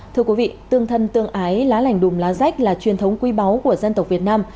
thưa quý vị tương thân tương ái lá lành đùm lá rách là truyền thống quý báu của dân tộc việt nam